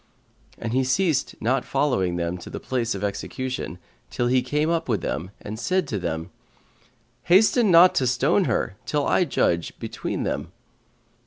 And he ceased not following them to the place of execution, till he came up with them and said to them, "Hasten not to stone her, till I judge between them."